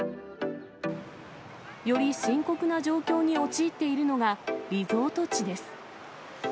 より深刻な状況に陥っているのがリゾート地です。